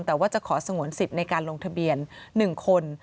แต่ว่าจะขอสงวนสิทธิ์ในการลงทะเบียน๑คน